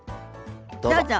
どうぞ。